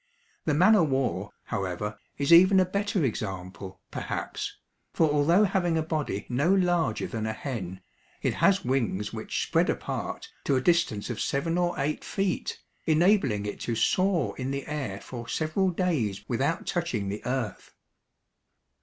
The man o' war, however, is even a better example, perhaps, for although having a body no larger than a hen, it has wings which spread apart to a distance of seven or eight feet, enabling it to soar in the air for several days without touching the earth.